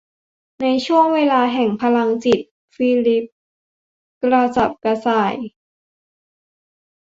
ในช่วงเวลาแห่งพลังจิตฟิลิปกระสับกระส่าย